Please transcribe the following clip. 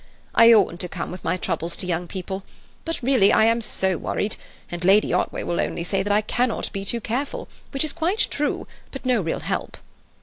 "I oughtn't to come with my troubles to young people. But really I am so worried, and Lady Otway will only say that I cannot be too careful, which is quite true, but no real help."